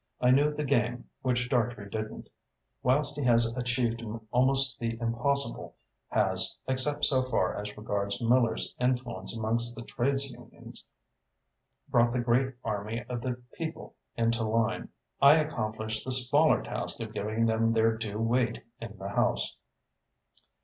I knew the game, which Dartrey didn't. Whilst he has achieved almost the impossible, has, except so far as regards Miller's influence amongst the trades unions, brought the great army of the people into line, I accomplished the smaller task of giving them their due weight in the House."